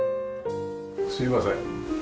すいません。